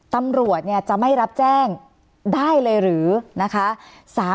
ตำรวจจะไม่รับแจ้งได้เลยหรือนะคะ